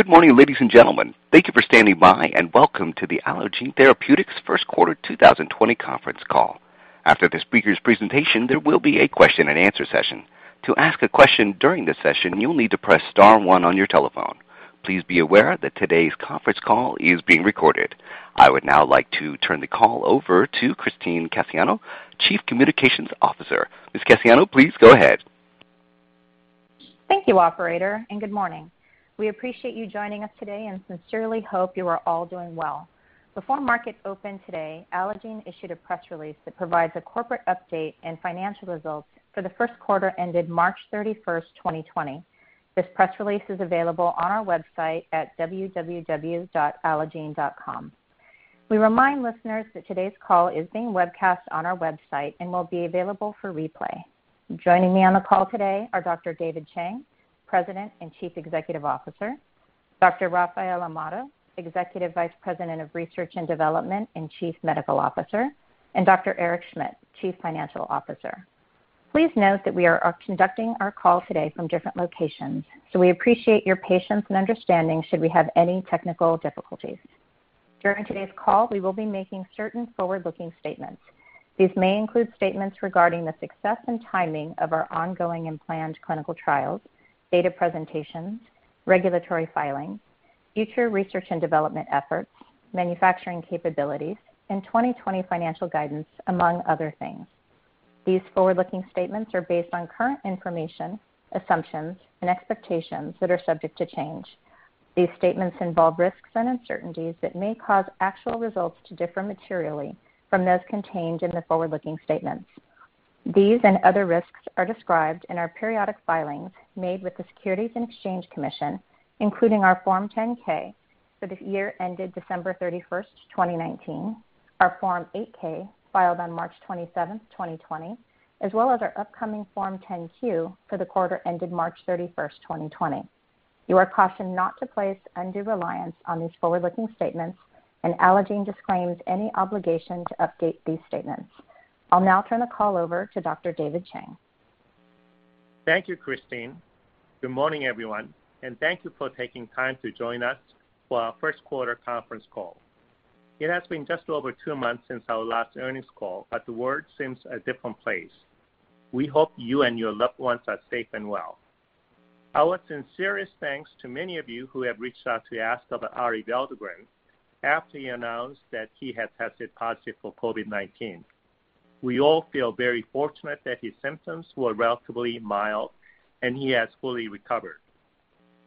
Good morning, ladies and gentlemen. Thank you for standing by and welcome to the Allogene Therapeutics First Quarter 2020 Conference Call. After the speaker's presentation, there will be a question-and-answer session. To ask a question during the session, you'll need to press star one on your telephone. Please be aware that today's conference call is being recorded. I would now like to turn the call over to Christine Cassiano, Chief Communications Officer. Ms. Cassiano, please go ahead. Thank you, operator, and good morning. We appreciate you joining us today and sincerely hope you are all doing well. Before markets open today, Allogene issued a press release that provides a corporate update and financial results for the first quarter ended March 31st, 2020. This press release is available on our website at www.allogene.com. We remind listeners that today's call is being webcast on our website and will be available for replay. Joining me on the call today are Dr. David Chang, President and Chief Executive Officer, Dr. Rafael Amado, Executive Vice President of Research and Development and Chief Medical Officer, and Dr. Eric Schmidt, Chief Financial Officer. Please note that we are conducting our call today from different locations, so we appreciate your patience and understanding should we have any technical difficulties. During today's call, we will be making certain forward-looking statements. These may include statements regarding the success and timing of our ongoing and planned clinical trials, data presentations, regulatory filing, future research and development efforts, manufacturing capabilities, and 2020 financial guidance, among other things. These forward-looking statements are based on current information, assumptions, and expectations that are subject to change. These statements involve risks and uncertainties that may cause actual results to differ materially from those contained in the forward-looking statements. These and other risks are described in our periodic filings made with the Securities and Exchange Commission, including our Form 10-K for the year ended December 31st, 2019, our Form 8-K filed on March 27th, 2020, as well as our upcoming Form 10-Q for the quarter ended March 31st, 2020. You are cautioned not to place undue reliance on these forward-looking statements, and Allogene disclaims any obligation to update these statements. I'll now turn the call over to Dr. David Chang. Thank you, Christine. Good morning, everyone, and thank you for taking time to join us for our first quarter conference call. It has been just over two months since our last earnings call, but the world seems a different place. We hope you and your loved ones are safe and well. Our sincerest thanks to many of you who have reached out to ask about Arie Belldegrun after he announced that he had tested positive for COVID-19. We all feel very fortunate that his symptoms were relatively mild and he has fully recovered.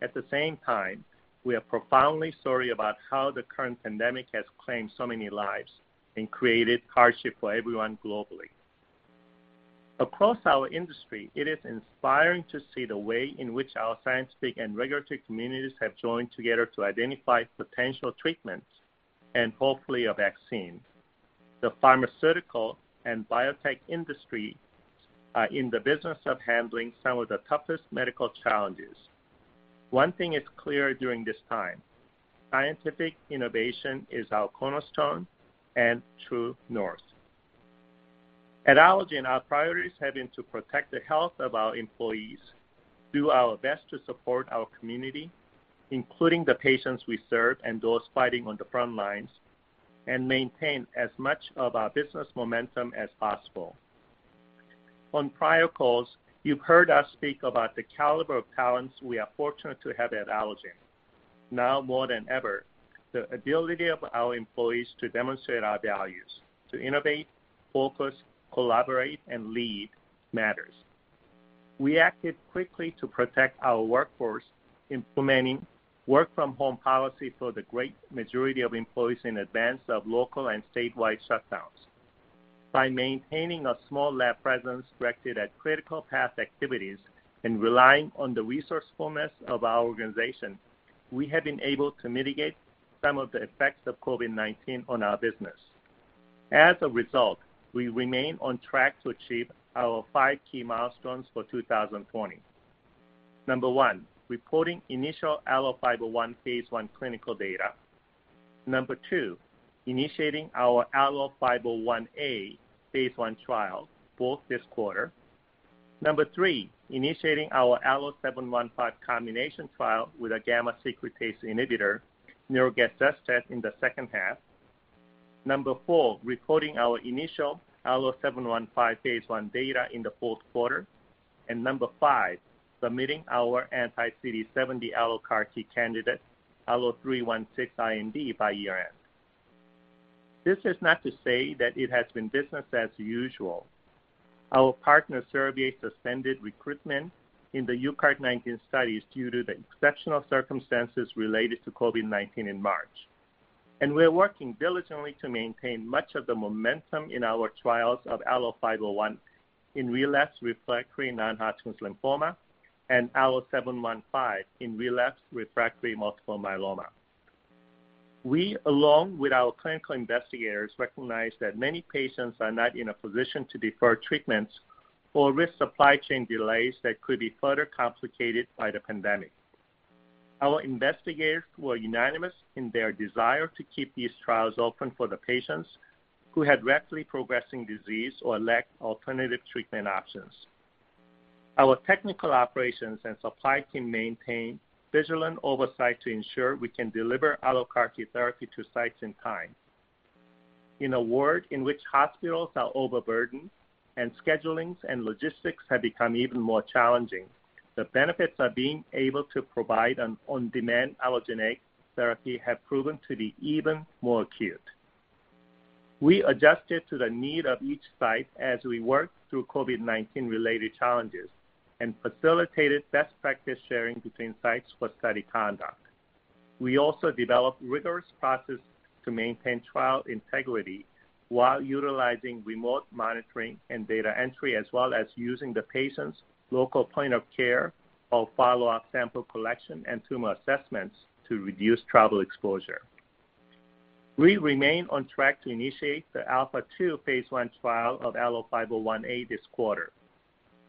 At the same time, we are profoundly sorry about how the current pandemic has claimed so many lives and created hardship for everyone globally. Across our industry, it is inspiring to see the way in which our scientific and regulatory communities have joined together to identify potential treatments and hopefully a vaccine. The pharmaceutical and biotech industry are in the business of handling some of the toughest medical challenges. One thing is clear during this time: scientific innovation is our cornerstone and true north. At Allogene, our priorities have been to protect the health of our employees, do our best to support our community, including the patients we serve and those fighting on the front lines, and maintain as much of our business momentum as possible. On prior calls, you've heard us speak about the caliber of talents we are fortunate to have at Allogene. Now more than ever, the ability of our employees to demonstrate our values, to innovate, focus, collaborate, and lead matters. We acted quickly to protect our workforce, implementing work-from-home policy for the great majority of employees in advance of local and statewide shutdowns. By maintaining a small lab presence directed at critical path activities and relying on the resourcefulness of our organization, we have been able to mitigate some of the effects of COVID-19 on our business. As a result, we remain on track to achieve our five key milestones for 2020. Number one, reporting initial ALLO-501 phase I clinical data. Number two, initiating our ALLO-501A phase I trial, both this quarter. Number three, initiating our ALLO-715 combination trial with a gamma secretase inhibitor, nirogacestat, in the second half. Number four, reporting our initial ALLO-715 phase I data in the fourth quarter. Number five, submitting our anti-CD70 AlloCAR T candidate, ALLO-316 IND, by year-end. This is not to say that it has been business as usual. Our partner Servier suspended recruitment in the UCART19 studies due to the exceptional circumstances related to COVID-19 in March. We are working diligently to maintain much of the momentum in our trials of ALLO-501 in relapsed/refractory non-Hodgkin's lymphoma and ALLO-715 in relapsed/refractory multiple myeloma. We, along with our clinical investigators, recognize that many patients are not in a position to defer treatments or risk supply chain delays that could be further complicated by the pandemic. Our investigators were unanimous in their desire to keep these trials open for the patients who had rapidly progressing disease or lacked alternative treatment options. Our technical operations and supply team maintain vigilant oversight to ensure we can deliver AlloCAR T therapy to sites in time. In a world in which hospitals are overburdened and scheduling and logistics have become even more challenging, the benefits of being able to provide an on-demand allogeneic therapy have proven to be even more acute. We adjusted to the need of each site as we worked through COVID-19-related challenges and facilitated best practice sharing between sites for study conduct. We also developed rigorous processes to maintain trial integrity while utilizing remote monitoring and data entry, as well as using the patient's local point of care for follow-up sample collection and tumor assessments to reduce trial exposure. We remain on track to initiate the ALPHA2 phase I trial of ALLO-501A this quarter.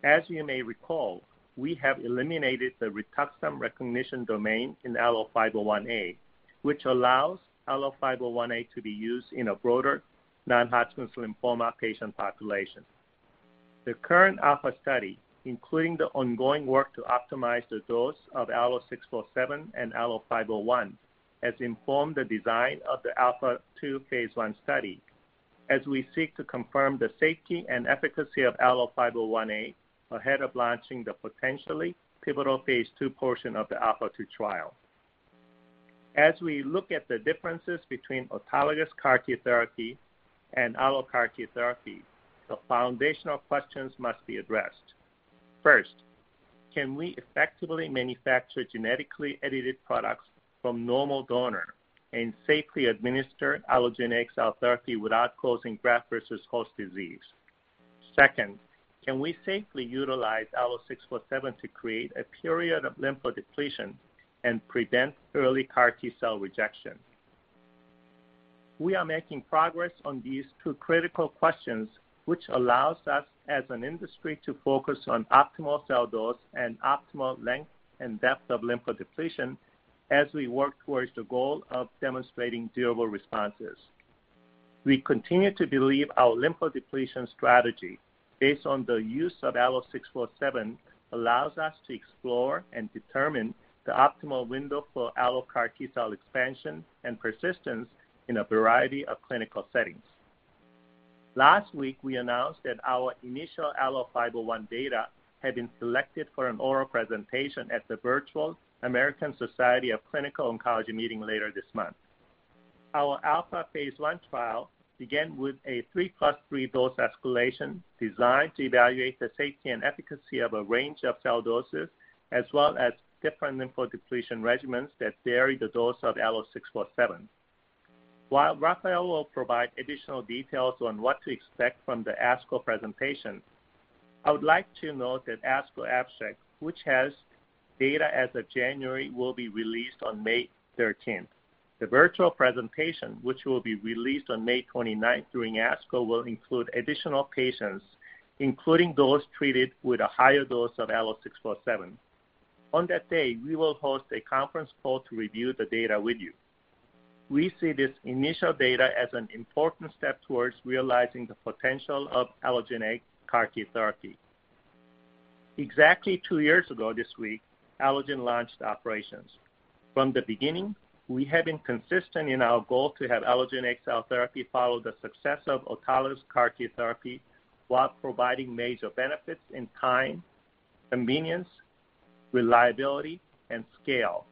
As you may recall, we have eliminated the Rituxan recognition domain in ALLO-501A, which allows ALLO-501A to be used in a broader non-Hodgkin's lymphoma patient population. The current ALPHA study, including the ongoing work to optimize the dose of ALLO-647 and ALLO-501, has informed the design of the ALPHA2 phase I study as we seek to confirm the safety and efficacy of ALLO-501A ahead of launching the potentially pivotal phase II portion of the ALPHA2 trial. As we look at the differences between autologous CAR T therapy and AlloCAR T therapy, the foundational questions must be addressed. First, can we effectively manufacture genetically edited products from normal donor and safely administer allogeneic cell therapy without causing graft versus host disease? Second, can we safely utilize ALLO-647 to create a period of lymphodepletion and prevent early CAR T cell rejection? We are making progress on these two critical questions, which allows us as an industry to focus on optimal cell dose and optimal length and depth of lymphodepletion as we work towards the goal of demonstrating durable responses. We continue to believe our lymphodepletion strategy based on the use of ALLO-647 allows us to explore and determine the optimal window for AlloCAR T cell expansion and persistence in a variety of clinical settings. Last week, we announced that our initial ALLO-501 data had been selected for an oral presentation at the virtual American Society of Clinical Oncology meeting later this month. Our ALPHA phase I trial began with a 3+3 dose escalation designed to evaluate the safety and efficacy of a range of cell doses, as well as different lymphodepletion regimens that vary the dose of ALLO-647. While Rafael will provide additional details on what to expect from the ASCO presentation, I would like to note that ASCO Abstract, which has data as of January, will be released on May 13th. The virtual presentation, which will be released on May 29th during ASCO, will include additional patients, including those treated with a higher dose of ALLO-647. On that day, we will host a conference call to review the data with you. We see this initial data as an important step towards realizing the potential of allogeneic CAR T therapy. Exactly two years ago this week, Allogene launched operations. From the beginning, we have been consistent in our goal to have allogeneic cell therapy follow the success of autologous CAR T therapy while providing major benefits in time, convenience, reliability, and scale.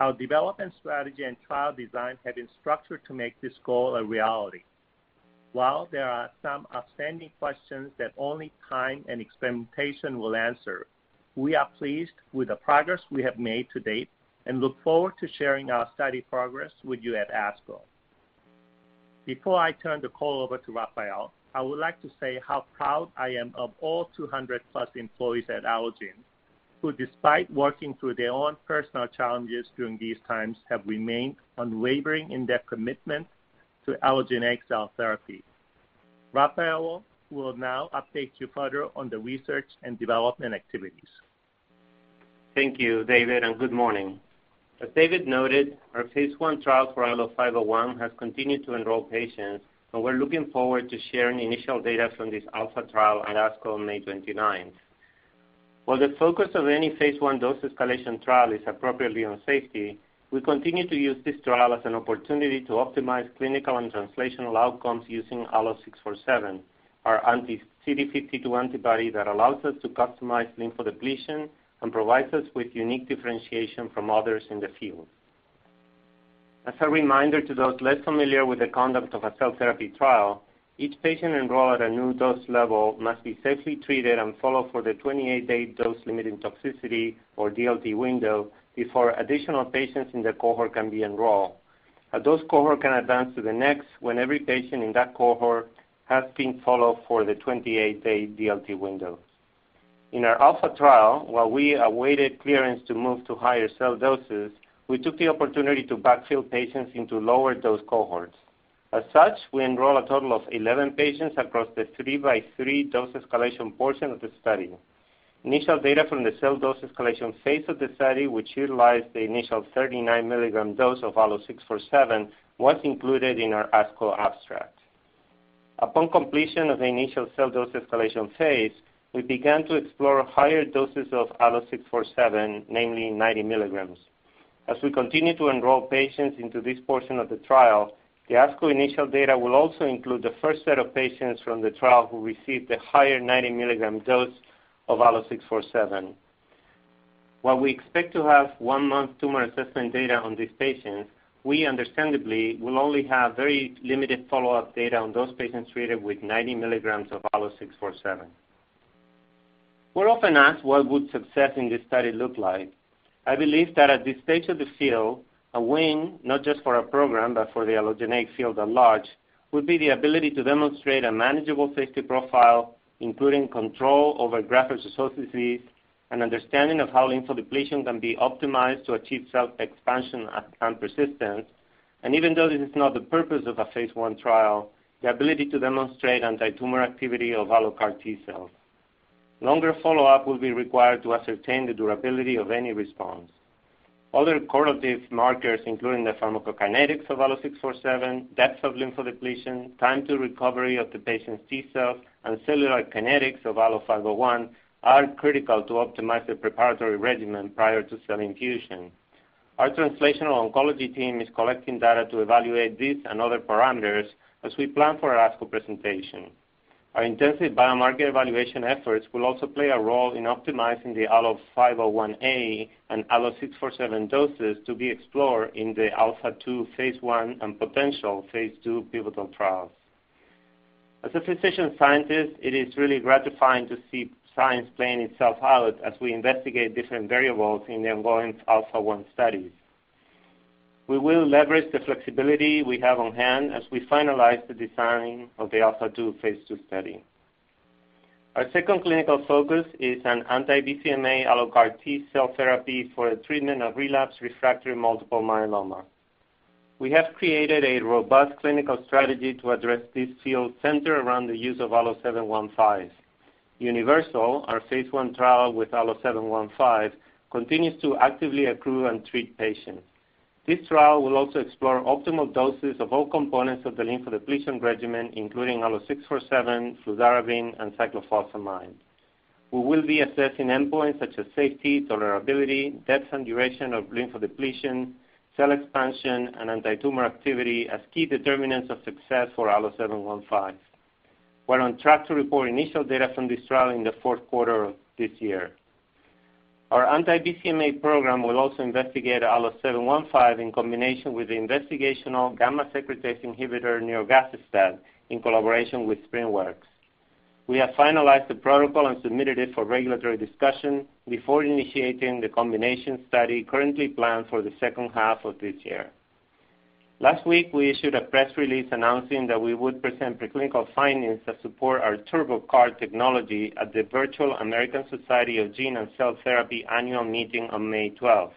Our development strategy and trial design have been structured to make this goal a reality. While there are some outstanding questions that only time and experimentation will answer, we are pleased with the progress we have made to date and look forward to sharing our study progress with you at ASCO. Before I turn the call over to Rafael, I would like to say how proud I am of all 200+ employees at Allogene who, despite working through their own personal challenges during these times, have remained unwavering in their commitment to allogeneic cell therapy. Rafael will now update you further on the research and development activities. Thank you, David, and good morning. As David noted, our phase I trial for ALLO-501 has continued to enroll patients, and we're looking forward to sharing initial data from this Alpha trial at ASCO on May 29th. While the focus of any phase I dose escalation trial is appropriately on safety, we continue to use this trial as an opportunity to optimize clinical and translational outcomes using ALLO-647, our [anti-CD52] antibody that allows us to customize lymphodepletion and provides us with unique differentiation from others in the field. As a reminder to those less familiar with the conduct of a cell therapy trial, each patient enrolled at a new dose level must be safely treated and followed for the 28-day dose-limiting toxicity or DLT window before additional patients in the cohort can be enrolled. A dose cohort can advance to the next when every patient in that cohort has been followed for the 28-day DLT window. In our ALPHA trial, while we awaited clearance to move to higher cell doses, we took the opportunity to backfill patients into lower dose cohorts. As such, we enrolled a total of 11 patients across the 3-by-3 dose escalation portion of the study. Initial data from the cell dose escalation phase of the study, which utilized the initial 39 mg dose of ALLO-647, was included in our ASCO abstract. Upon completion of the initial cell dose escalation phase, we began to explore higher doses of ALLO-647, namely 90 mg. As we continue to enroll patients into this portion of the trial, the ASCO initial data will also include the first set of patients from the trial who received the higher 90 mg dose of ALLO-647. While we expect to have one-month tumor assessment data on these patients, we understandably will only have very limited follow-up data on those patients treated with 90 mg of ALLO-647. We're often asked what would success in this study look like. I believe that at this stage of the field, a win, not just for our program, but for the allogeneic field at large, would be the ability to demonstrate a manageable safety profile, including control over graft versus host disease and understanding of how lymphodepletion can be optimized to achieve cell expansion and persistence. Even though this is not the purpose of a phase I trial, the ability to demonstrate anti-tumor activity of AlloCAR T cells. Longer follow-up will be required to ascertain the durability of any response. Other correlative markers, including the pharmacokinetics of ALLO-647, depth of lymphodepletion, time to recovery of the patient's T cells, and cellular kinetics of ALLO-501 are critical to optimize the preparatory regimen prior to cell infusion. Our translational oncology team is collecting data to evaluate these and other parameters as we plan for our ASCO presentation. Our intensive biomarker evaluation efforts will also play a role in optimizing the ALLO-501A and ALLO-647 doses to be explored in the ALPHA2 phase I and potential phase II pivotal trials. As a physician scientist, it is really gratifying to see science playing itself out as we investigate different variables in the ongoing ALPHA1 studies. We will leverage the flexibility we have on hand as we finalize the design of the ALPHA2 phase II study. Our second clinical focus is an anti-BCMA AlloCAR T cell therapy for the treatment of relapsed/refractory multiple myeloma. We have created a robust clinical strategy to address this field centered around the use of ALLO-715. Universal, our phase I trial with ALLO-715, continues to actively accrue and treat patients. This trial will also explore optimal doses of all components of the lymphodepletion regimen, including ALLO-647, fludarabine, and cyclophosphamide. We will be assessing endpoints such as safety, tolerability, depth, and duration of lymphodepletion, cell expansion, and anti-tumor activity as key determinants of success for ALLO-715. We're on track to report initial data from this trial in the fourth quarter of this year. Our anti-BCMA program will also investigate ALLO-715 in combination with the investigational gamma secretase inhibitor, nirogacestat, in collaboration with SpringWorks. We have finalized the protocol and submitted it for regulatory discussion before initiating the combination study currently planned for the second half of this year. Last week, we issued a press release announcing that we would present preclinical findings that support our TurboCAR technology at the Virtual American Society of Gene and Cell Therapy Annual Meeting on May 12th.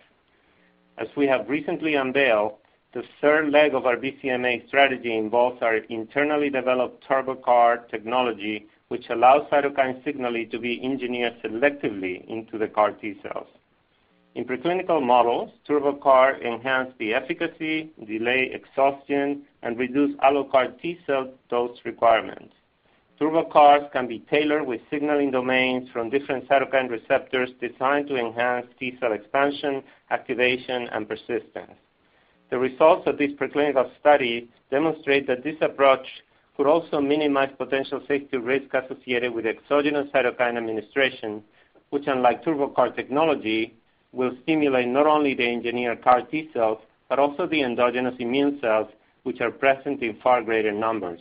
As we have recently unveiled, the third leg of our BCMA strategy involves our internally developed TurboCAR technology, which allows cytokine signaling to be engineered selectively into the CAR T cells. In preclinical models, TurboCAR enhanced the efficacy, delayed exhaustion, and reduced AlloCAR T cell dose requirements. TurboCARs can be tailored with signaling domains from different cytokine receptors designed to enhance T cell expansion, activation, and persistence. The results of this preclinical study demonstrate that this approach could also minimize potential safety risk associated with exogenous cytokine administration, which, unlike TurboCAR technology, will stimulate not only the engineered CAR T cells, but also the endogenous immune cells, which are present in far greater numbers.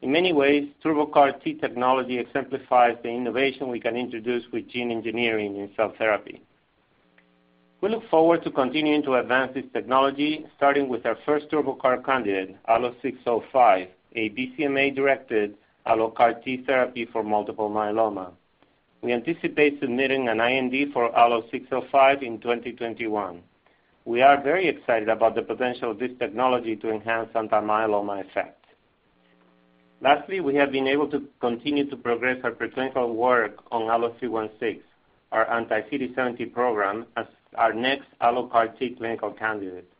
In many ways, TurboCAR T technology exemplifies the innovation we can introduce with gene engineering in cell therapy. We look forward to continuing to advance this technology, starting with our first TurboCAR candidate, ALLO-605, a BCMA-directed AlloCAR T therapy for multiple myeloma. We anticipate submitting an IND for ALLO-605 in 2021. We are very excited about the potential of this technology to enhance anti-myeloma effects. Lastly, we have been able to continue to progress our preclinical work on ALLO-316, our anti-CD70 program, as our next AlloCAR T clinical candidate.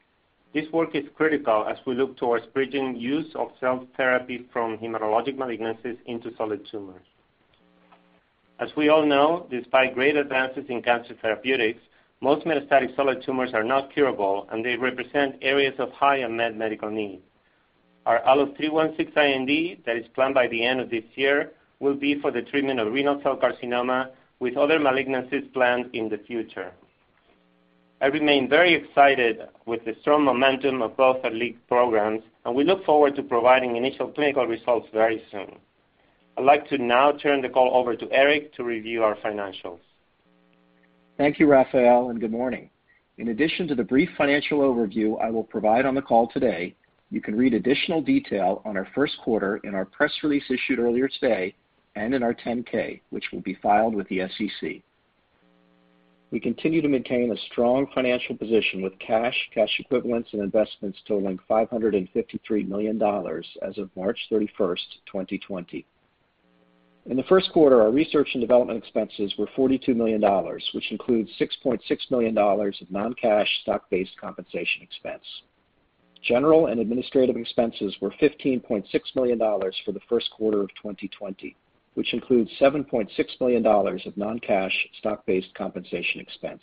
This work is critical as we look towards bridging use of cell therapy from hematologic malignancies into solid tumors. As we all know, despite great advances in cancer therapeutics, most metastatic solid tumors are not curable, and they represent areas of high unmet medical need. Our ALLO-316 IND that is planned by the end of this year will be for the treatment of renal cell carcinoma with other malignancies planned in the future. I remain very excited with the strong momentum of both our lead programs, and we look forward to providing initial clinical results very soon. I'd like to now turn the call over to Eric to review our financials. Thank you, Rafael, and good morning. In addition to the brief financial overview I will provide on the call today, you can read additional detail on our first quarter in our press release issued earlier today and in our 10-K, which will be filed with the SEC. We continue to maintain a strong financial position with cash, cash equivalents, and investments totaling $553 million as of March 31st, 2020. In the first quarter, our research and development expenses were $42 million, which includes $6.6 million of non-cash stock-based compensation expense. General and administrative expenses were $15.6 million for the first quarter of 2020, which includes $7.6 million of non-cash stock-based compensation expense.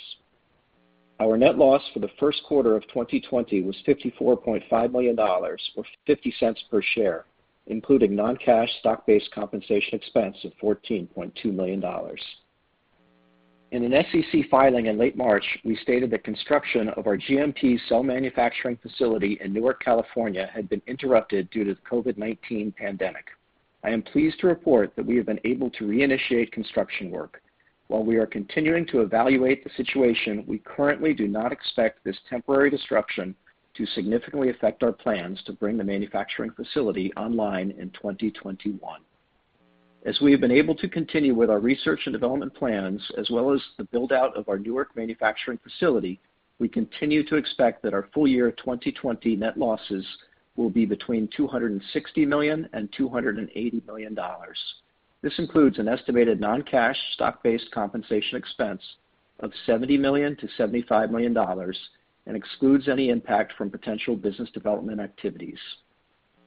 Our net loss for the first quarter of 2020 was $54.5 million, or $0.50 per share, including non-cash stock-based compensation expense of $14.2 million. In an SEC filing in late March, we stated that construction of our GMT cell manufacturing facility in Newark, California, had been interrupted due to the COVID-19 pandemic. I am pleased to report that we have been able to reinitiate construction work. While we are continuing to evaluate the situation, we currently do not expect this temporary disruption to significantly affect our plans to bring the manufacturing facility online in 2021. As we have been able to continue with our research and development plans, as well as the build-out of our Newark manufacturing facility, we continue to expect that our full year 2020 net losses will be between $260 million and $280 million. This includes an estimated non-cash stock-based compensation expense of $70 million-$75 million and excludes any impact from potential business development activities.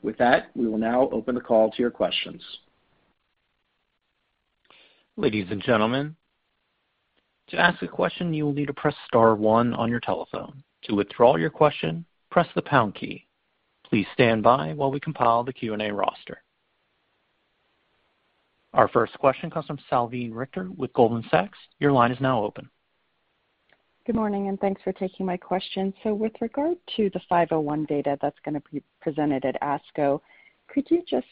With that, we will now open the call to your questions. Ladies and gentlemen, to ask a question, you will need to press star one on your telephone. To withdraw your question, press the pound key. Please stand by while we compile the Q&A roster. Our first question comes from Salveen Richter with Goldman Sachs. Your line is now open. Good morning, and thanks for taking my question. With regard to the 501 data that's going to be presented at ASCO, could you just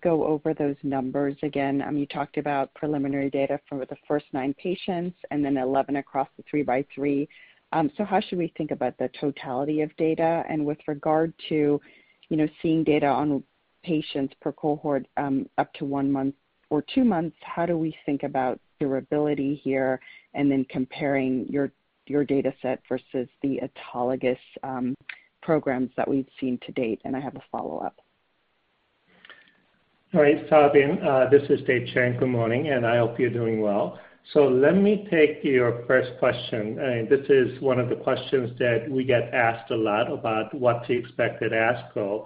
go over those numbers again? You talked about preliminary data for the first nine patients and then 11 across the 3 by 3. How should we think about the totality of data? With regard to seeing data on patients per cohort up to one month or two months, how do we think about durability here and then comparing your data set versus the autologous programs that we've seen to date? I have a follow-up. All right, Salveen, this is Dave Chang. Good morning, and I hope you're doing well. Let me take your first question. This is one of the questions that we get asked a lot about what to expect at ASCO.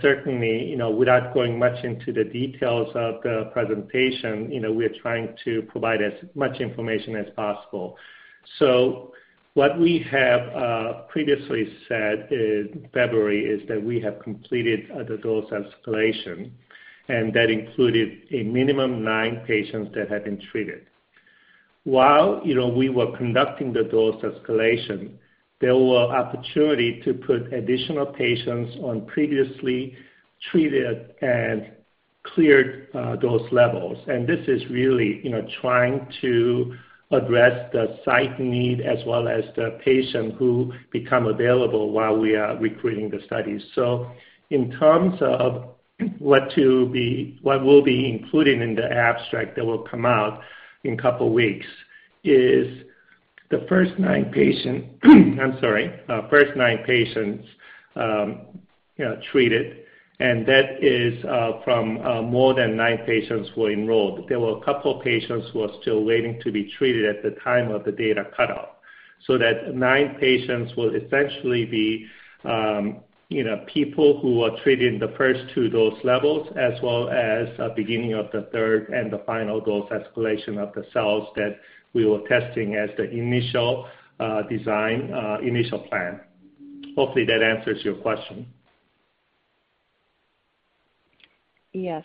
Certainly, without going much into the details of the presentation, we're trying to provide as much information as possible. What we have previously said in February is that we have completed the dose escalation, and that included a minimum of nine patients that have been treated. While we were conducting the dose escalation, there were opportunities to put additional patients on previously treated and cleared dose levels. This is really trying to address the site need as well as the patient who becomes available while we are recruiting the studies. In terms of what will be included in the abstract that will come out in a couple of weeks, the first nine patients—I'm sorry, first nine patients treated—and that is from more than nine patients who were enrolled. There were a couple of patients who are still waiting to be treated at the time of the data cutoff. That nine patients will essentially be people who are treated in the first two dose levels, as well as the beginning of the third and the final dose escalation of the cells that we were testing as the initial design, initial plan. Hopefully, that answers your question. Yes.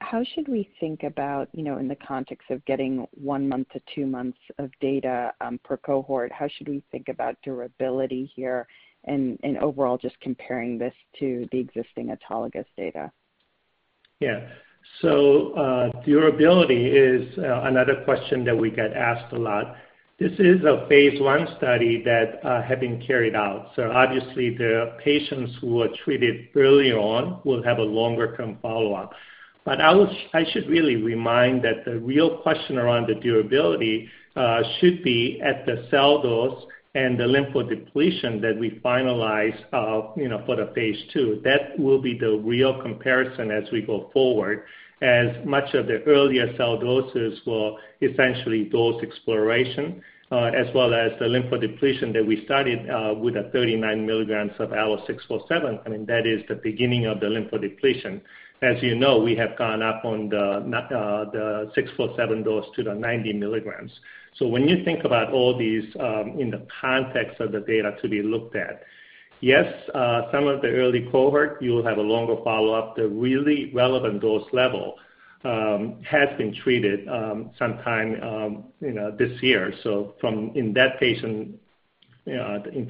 How should we think about, in the context of getting 1 month-2 months of data per cohort, how should we think about durability here? Overall, just comparing this to the existing autologous data? Yeah. Durability is another question that we get asked a lot. This is a phase I study that had been carried out. Obviously, the patients who were treated early on will have a longer-term follow-up. I should really remind that the real question around the durability should be at the cell dose and the lymphodepletion that we finalized for the phase II. That will be the real comparison as we go forward, as much of the earlier cell doses were essentially dose exploration, as well as the lymphodepletion that we started with 39 mg of ALLO-647. I mean, that is the beginning of the lymphodepletion. As you know, we have gone up on the 647 dose to the 90 mg. When you think about all these in the context of the data to be looked at, yes, some of the early cohort, you will have a longer follow-up. The really relevant dose level has been treated sometime this year. In that case, in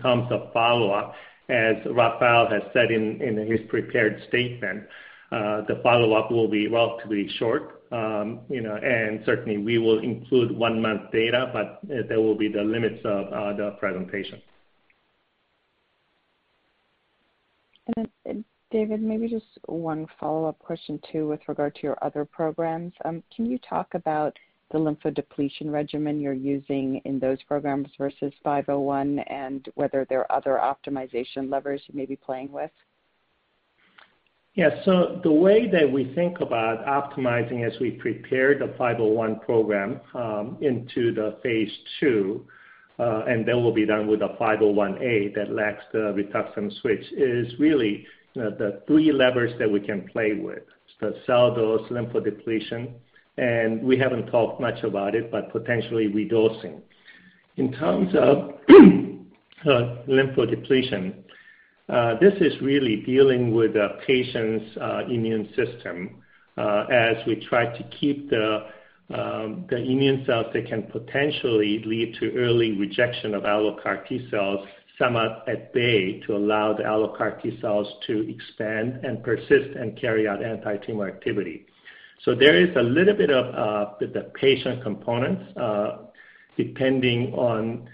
terms of follow-up, as Rafael has said in his prepared statement, the follow-up will be relatively short. Certainly, we will include one-month data, but there will be the limits of the presentation. David, maybe just one follow-up question too with regard to your other programs. Can you talk about the lymphodepletion regimen you're using in those programs versus 501 and whether there are other optimization levers you may be playing with? Yes. The way that we think about optimizing as we prepare the 501 program into the phase II, and that will be done with a 501A that lacks the Rituxan switch, is really the three levers that we can play with: the cell dose, lymphodepletion, and we have not talked much about it, but potentially redosing. In terms of lymphodepletion, this is really dealing with a patient's immune system as we try to keep the immune cells that can potentially lead to early rejection of AlloCAR T cells somewhat at bay to allow the AlloCAR T cells to expand and persist and carry out anti-tumor activity. There is a little bit of the patient components, depending on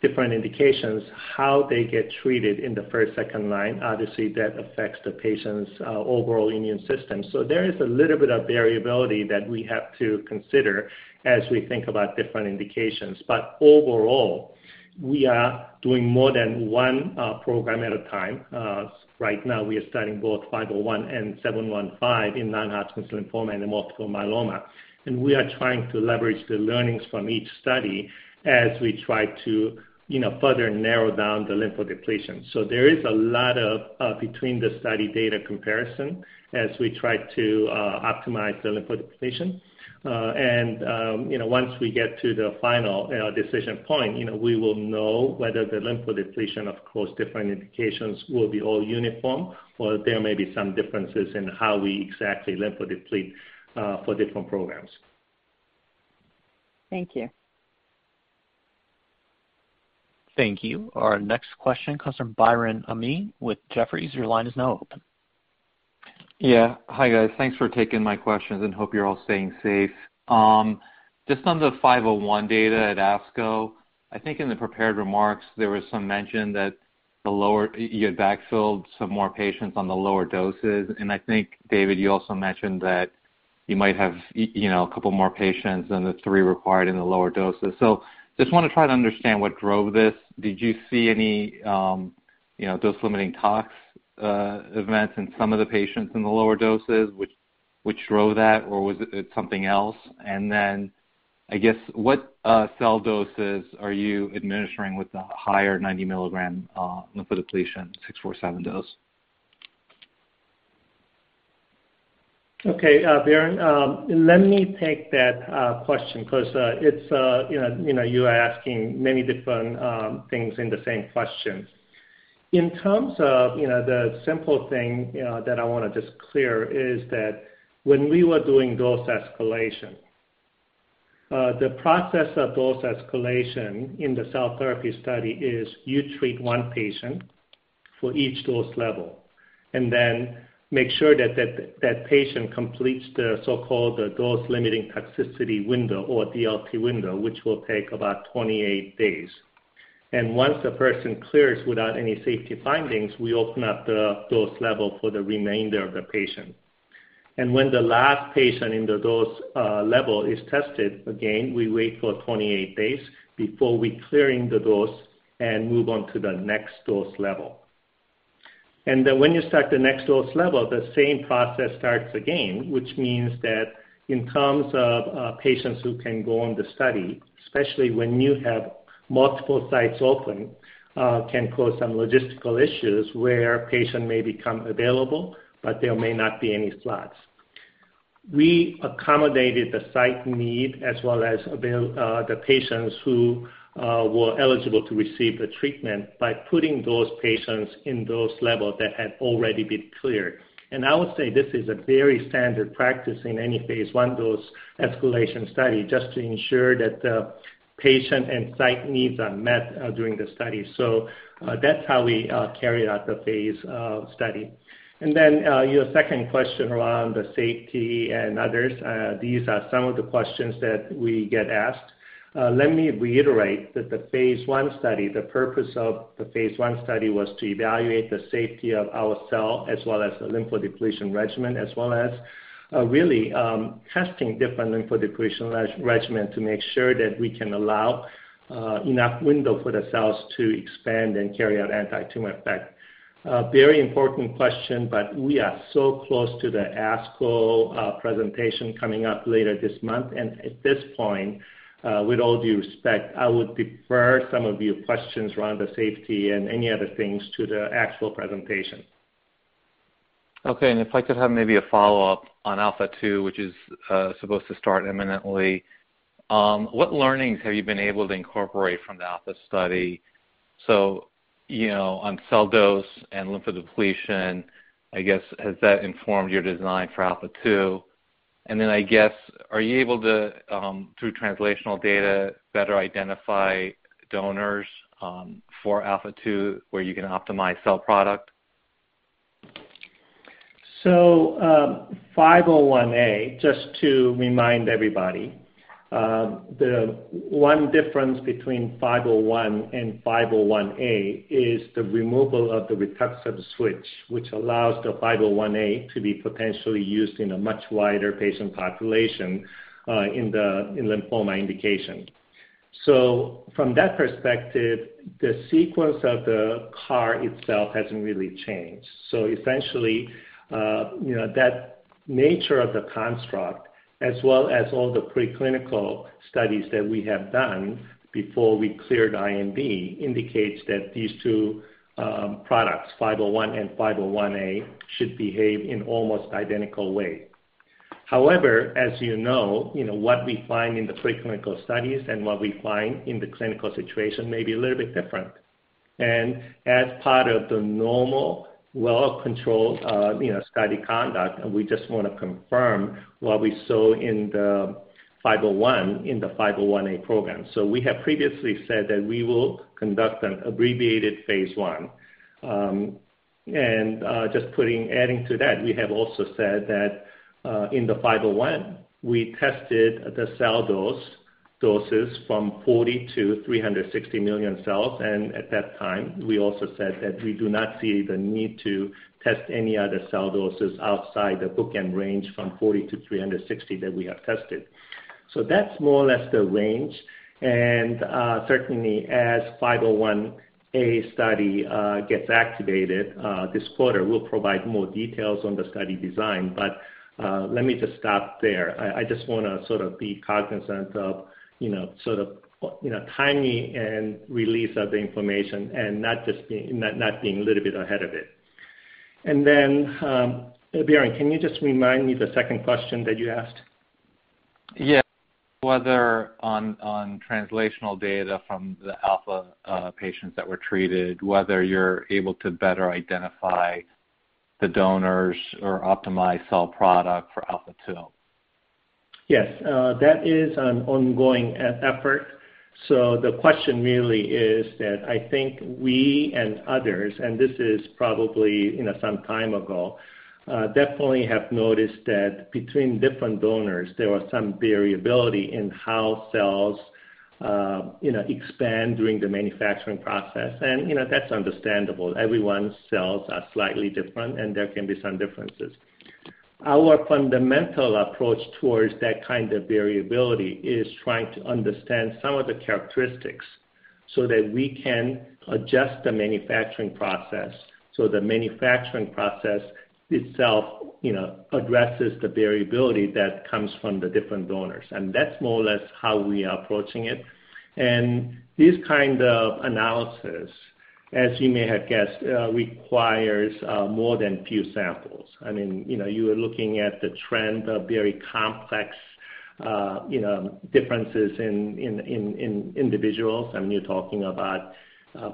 different indications, how they get treated in the first, second line. Obviously, that affects the patient's overall immune system. There is a little bit of variability that we have to consider as we think about different indications. Overall, we are doing more than one program at a time. Right now, we are studying both 501 and 715 in non-Hodgkin's lymphoma and in multiple myeloma. We are trying to leverage the learnings from each study as we try to further narrow down the lymphodepletion. There is a lot between the study data comparison as we try to optimize the lymphodepletion. Once we get to the final decision point, we will know whether the lymphodepletion across different indications will be all uniform, or there may be some differences in how we exactly lymphodeplete for different programs. Thank you. Thank you. Our next question comes from Biren Amin with Jefferies. Your line is now open. Yeah. Hi, guys. Thanks for taking my questions. Hope you're all staying safe. Just on the 501 data at ASCO, I think in the prepared remarks, there was some mention that you had backfilled some more patients on the lower doses. I think, David, you also mentioned that you might have a couple more patients than the three required in the lower doses. Just want to try to understand what drove this. Did you see any dose-limiting tox events in some of the patients in the lower doses which drove that, or was it something else? I guess, what cell doses are you administering with the higher 90 mg lymphodepletion 647 dose? Okay. Biren, let me take that question because you are asking many different things in the same question. In terms of the simple thing that I want to just clear is that when we were doing dose escalation, the process of dose escalation in the cell therapy study is you treat one patient for each dose level and then make sure that that patient completes the so-called dose-limiting toxicity window or DLT window, which will take about 28 days. Once the person clears without any safety findings, we open up the dose level for the remainder of the patient. When the last patient in the dose level is tested again, we wait for 28 days before we clear the dose and move on to the next dose level. When you start the next dose level, the same process starts again, which means that in terms of patients who can go on the study, especially when you have multiple sites open, it can cause some logistical issues where a patient may become available, but there may not be any slots. We accommodated the site need as well as the patients who were eligible to receive the treatment by putting those patients in those levels that had already been cleared. I would say this is a very standard practice in any phase I dose escalation study just to ensure that the patient and site needs are met during the study. That is how we carried out the phase study. Your second question around the safety and others, these are some of the questions that we get asked. Let me reiterate that the phase I study, the purpose of the phase I study was to evaluate the safety of our cell as well as the lymphodepletion regimen, as well as really testing different lymphodepletion regimen to make sure that we can allow enough window for the cells to expand and carry out anti-tumor effect. Very important question, but we are so close to the ASCO presentation coming up later this month. At this point, with all due respect, I would defer some of your questions around the safety and any other things to the actual presentation. Okay. If I could have maybe a follow-up on ALPHA2, which is supposed to start imminently, what learnings have you been able to incorporate from the ALPHA study? On cell dose and lymphodepletion, I guess, has that informed your design for ALPHA2? I guess, are you able to, through translational data, better identify donors for ALPHA2 where you can optimize cell product? 501A, just to remind everybody, the one difference between 501 and 501A is the removal of the rituximab switch, which allows the 501A to be potentially used in a much wider patient population in the lymphoma indication. From that perspective, the sequence of the CAR itself hasn't really changed. Essentially, that nature of the construct, as well as all the preclinical studies that we have done before we cleared IND, indicates that these two products, 501 and 501A, should behave in almost identical ways. However, as you know, what we find in the preclinical studies and what we find in the clinical situation may be a little bit different. As part of the normal well-controlled study conduct, we just want to confirm what we saw in the 501 in the 501A program. We have previously said that we will conduct an abbreviated phase I. Just adding to that, we have also said that in the 501, we tested the cell doses from 40-360 million cells. At that time, we also said that we do not see the need to test any other cell doses outside the bookend range from 40-360 that we have tested. That is more or less the range. Certainly, as the 501A study gets activated this quarter, we will provide more details on the study design. Let me just stop there. I just want to sort of be cognizant of timing and release of the information and not being a little bit ahead of it. Biren, can you just remind me the second question that you asked? Yeah. Whether on translational data from the ALPHA patients that were treated, whether you're able to better identify the donors or optimize cell product for ALPHA2? Yes. That is an ongoing effort. The question really is that I think we and others, and this is probably some time ago, definitely have noticed that between different donors, there was some variability in how cells expand during the manufacturing process. That is understandable. Everyone's cells are slightly different, and there can be some differences. Our fundamental approach towards that kind of variability is trying to understand some of the characteristics so that we can adjust the manufacturing process so the manufacturing process itself addresses the variability that comes from the different donors. That is more or less how we are approaching it. This kind of analysis, as you may have guessed, requires more than a few samples. I mean, you are looking at the trend of very complex differences in individuals. I mean, you're talking about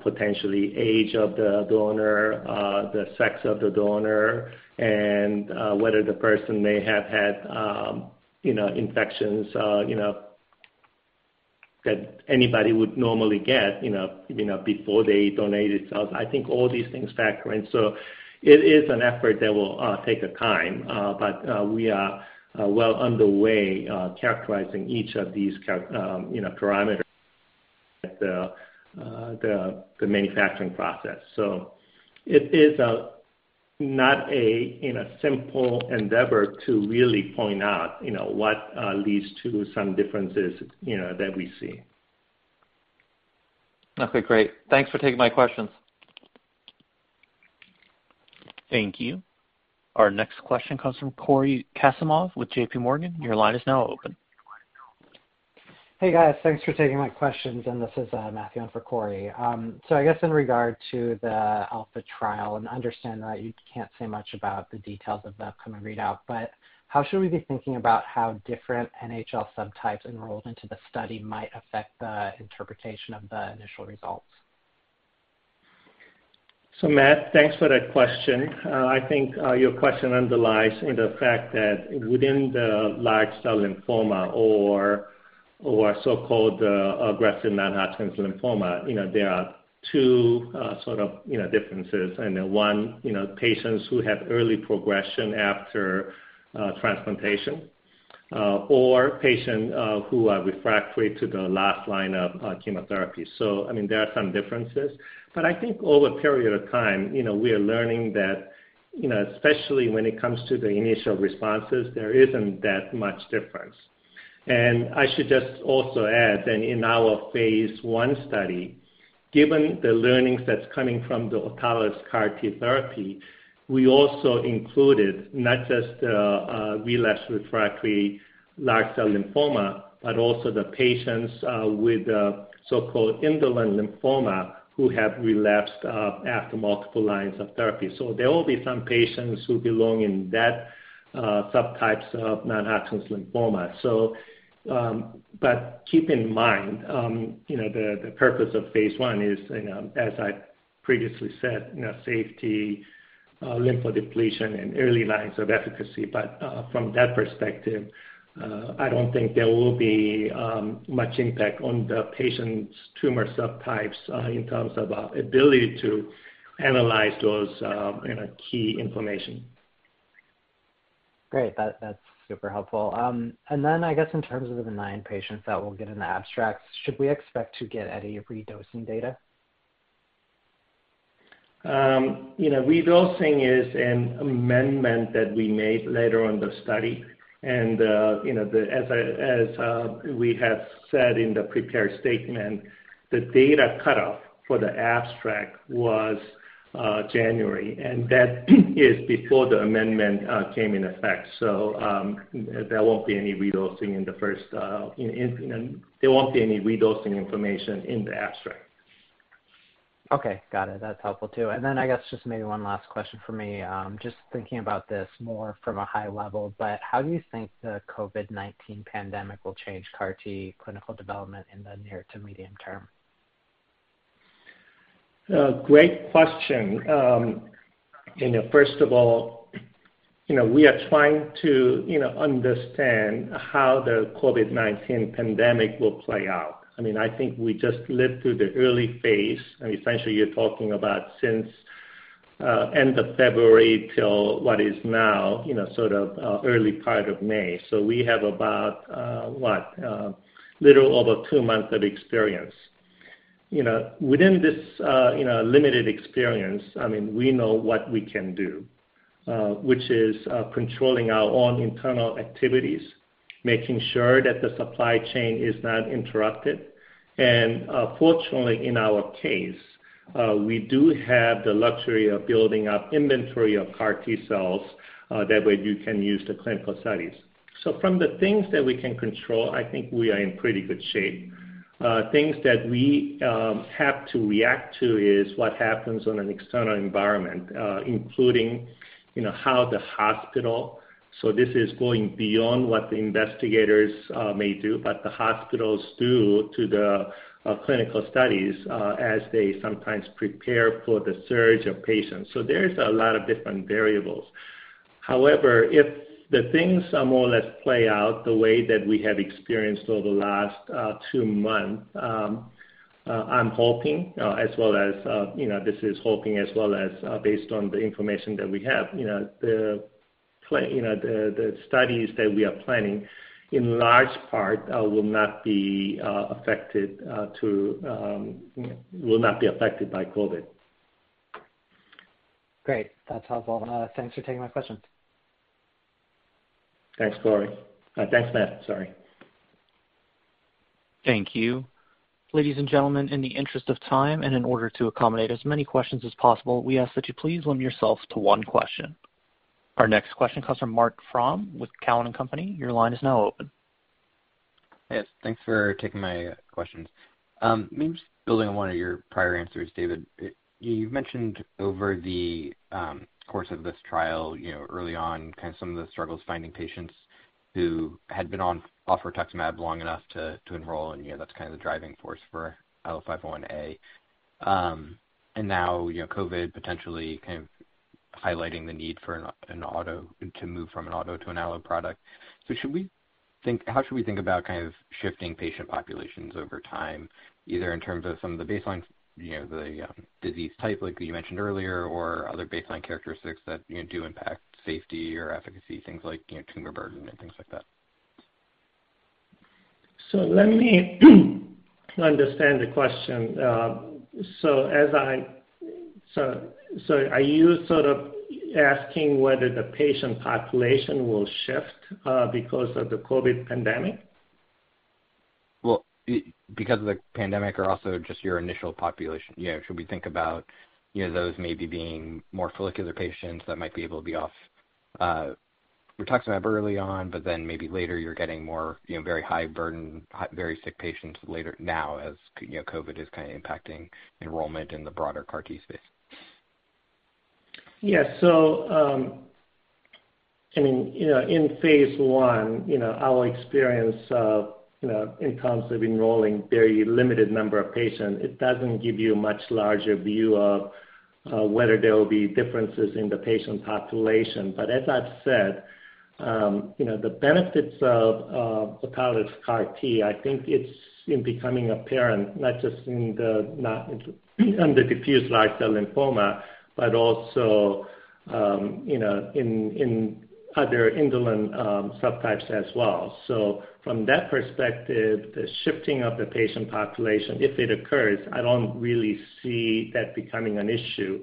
potentially age of the donor, the sex of the donor, and whether the person may have had infections that anybody would normally get before they donated cells. I think all these things factor in. It is an effort that will take time, but we are well underway characterizing each of these parameters at the manufacturing process. It is not a simple endeavor to really point out what leads to some differences that we see. Okay. Great. Thanks for taking my questions. Thank you. Our next question comes from Cory Kasimov with JPMorgan. Your line is now open. Hey, guys. Thanks for taking my questions. This is Matthew on for Cory. I guess in regard to the ALPHA trial, I understand that you can't say much about the details of the upcoming readout, but how should we be thinking about how different NHL subtypes enrolled into the study might affect the interpretation of the initial results? Matt, thanks for that question. I think your question underlies in the fact that within the large cell lymphoma or so-called aggressive non-Hodgkin's lymphoma, there are two sort of differences. One, patients who have early progression after transplantation or patients who are refractory to the last line of chemotherapy. I mean, there are some differences. I think over a period of time, we are learning that especially when it comes to the initial responses, there isn't that much difference. I should just also add that in our phase I study, given the learnings that's coming from the autologous CAR T therapy, we also included not just the relapsed/refractory large cell lymphoma, but also the patients with the so-called indolent lymphoma who have relapsed after multiple lines of therapy. There will be some patients who belong in that subtypes of non-Hodgkin's lymphoma. Keep in mind, the purpose of phase I is, as I previously said, safety, lymphodepletion, and early lines of efficacy. From that perspective, I do not think there will be much impact on the patient's tumor subtypes in terms of our ability to analyze those key information. Great. That's super helpful. I guess in terms of the nine patients that we'll get in the abstracts, should we expect to get any re-dosing data? Re-dosing is an amendment that we made later on the study. As we have said in the prepared statement, the data cutoff for the abstract was January. That is before the amendment came in effect. There will not be any re-dosing information in the abstract. Okay. Got it. That's helpful too. I guess just maybe one last question for me, just thinking about this more from a high level, but how do you think the COVID-19 pandemic will change CAR T clinical development in the near to medium term? Great question. First of all, we are trying to understand how the COVID-19 pandemic will play out. I mean, I think we just lived through the early phase. Essentially, you're talking about since end of February till what is now sort of early part of May. We have about, what, a little over two months of experience. Within this limited experience, I mean, we know what we can do, which is controlling our own internal activities, making sure that the supply chain is not interrupted. Fortunately, in our case, we do have the luxury of building up inventory of CAR T cells that you can use for clinical studies. From the things that we can control, I think we are in pretty good shape. Things that we have to react to is what happens on an external environment, including how the hospital, so this is going beyond what the investigators may do, but the hospitals do to the clinical studies as they sometimes prepare for the surge of patients. There are a lot of different variables. However, if the things more or less play out the way that we have experienced over the last two months, I'm hoping, as well as this is hoping, as well as based on the information that we have, the studies that we are planning, in large part, will not be affected, will not be affected by COVID. Great. That's helpful. Thanks for taking my questions. Thanks, Cory. Thanks, Matt. Sorry. Thank you. Ladies and gentlemen, in the interest of time and in order to accommodate as many questions as possible, we ask that you please limit yourself to one question. Our next question comes from Mark Frahm with Cowen & Company. Your line is now open. Yes. Thanks for taking my questions. Maybe just building on one of your prior answers, David, you've mentioned over the course of this trial early on kind of some of the struggles finding patients who had been off rituximab long enough to enroll. That is kind of the driving force for ALLO-501A. Now COVID potentially kind of highlighting the need to move from an auto to an Allo product. How should we think about kind of shifting patient populations over time, either in terms of some of the baseline disease type, like you mentioned earlier, or other baseline characteristics that do impact safety or efficacy, things like tumor burden and things like that? Let me understand the question. Are you sort of asking whether the patient population will shift because of the COVID pandemic? Because of the pandemic or also just your initial population, should we think about those maybe being more follicular patients that might be able to be off rituximab early on, but then maybe later you're getting more very high burden, very sick patients later now as COVID is kind of impacting enrollment in the broader CAR T space? Yes. So I mean, in phase I, our experience in terms of enrolling a very limited number of patients, it doesn't give you a much larger view of whether there will be differences in the patient population. As I've said, the benefits of autologous CAR T, I think it's becoming apparent not just in the diffuse large cell lymphoma, but also in other indolent subtypes as well. From that perspective, the shifting of the patient population, if it occurs, I don't really see that becoming an issue.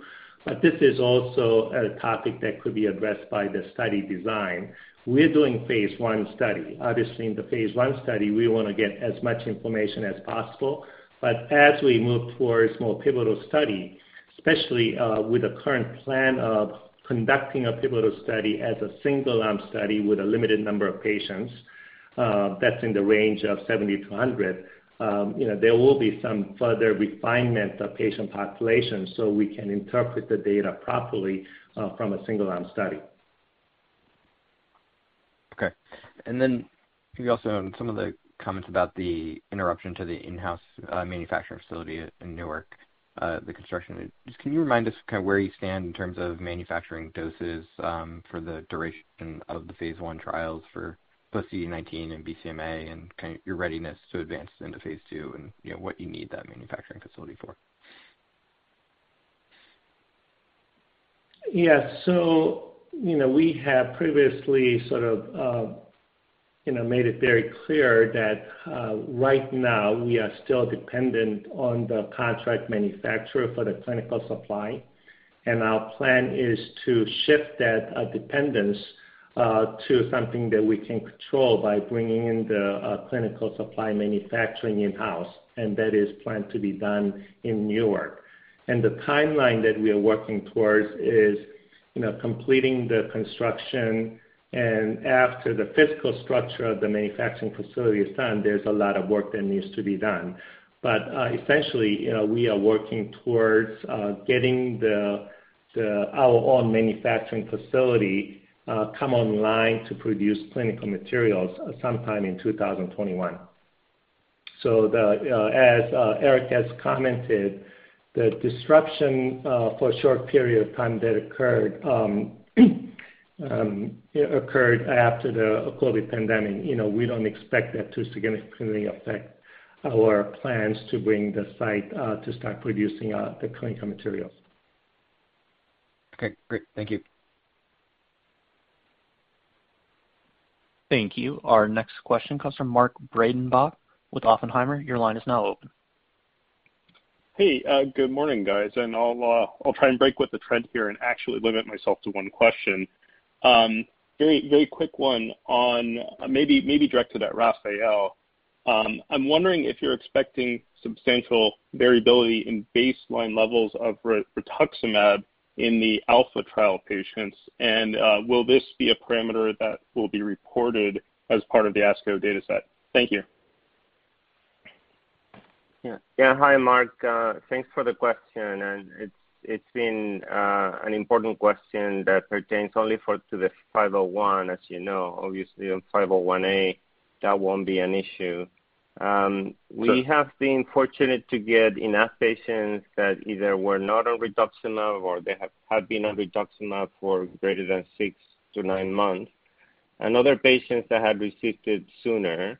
This is also a topic that could be addressed by the study design. We're doing a phase I study. Obviously, in the phase I study, we want to get as much information as possible. As we move towards more pivotal study, especially with the current plan of conducting a pivotal study as a single-arm study with a limited number of patients—that's in the range of 70-100—there will be some further refinement of patient population so we can interpret the data properly from a single-arm study. Okay. And then maybe also on some of the comments about the interruption to the in-house manufacturing facility in Newark, the construction, just can you remind us kind of where you stand in terms of manufacturing doses for the duration of the phase I trials for both CD19 and BCMA and kind of your readiness to advance into phase II and what you need that manufacturing facility for? Yes. We have previously sort of made it very clear that right now we are still dependent on the contract manufacturer for the clinical supply. Our plan is to shift that dependence to something that we can control by bringing in the clinical supply manufacturing in-house. That is planned to be done in Newark. The timeline that we are working towards is completing the construction. After the physical structure of the manufacturing facility is done, there is a lot of work that needs to be done. Essentially, we are working towards getting our own manufacturing facility to come online to produce clinical materials sometime in 2021. As Eric has commented, the disruption for a short period of time that occurred after the COVID pandemic, we do not expect that to significantly affect our plans to bring the site to start producing the clinical materials. Okay. Great. Thank you. Thank you. Our next question comes from Mark Breidenbach with Oppenheimer. Your line is now open. Hey. Good morning, guys. I'll try and break with the trend here and actually limit myself to one question. Very quick one on maybe direct to that, Rafael. I'm wondering if you're expecting substantial variability in baseline levels of rituximab in the ALPHA trial patients. Will this be a parameter that will be reported as part of the ASCO dataset? Thank you. Yeah. Hi, Mark. Thanks for the question. It has been an important question that pertains only to the 501. As you know, obviously, on 501A, that will not be an issue. We have been fortunate to get enough patients that either were not on rituximab or they have been on rituximab for greater than 6-9 months. Other patients that had rituximab sooner,